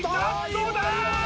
どうだ？